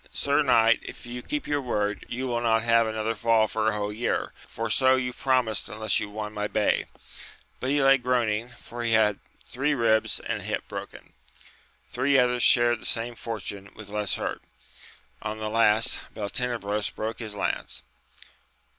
Sir knight, if you keep your word, you will not have another fall for a whole year, for so you promised unless you won my bay ; but he lay groaning, for he had three ribs and a hip broken. Three others shared the same fortune with less hurt ; on the last, Beltenebros broke his lance.